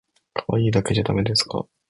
かわいいだけじゃだめですか